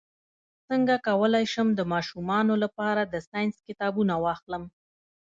څنګه کولی شم د ماشومانو لپاره د ساینس کتابونه واخلم